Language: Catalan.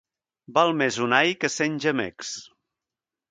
Val més un ai!, que cent gemecs.